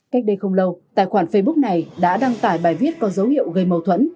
cách đây không lâu tài khoản facebook này đã đăng tải bài viết có dấu hiệu gây mâu thuẫn